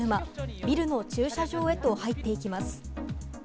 ビルの駐車場へと入っていきます。